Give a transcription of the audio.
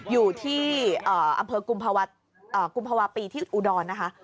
อยู่ที่อำเภอกุมภาวะปีที่อุดรนะคะ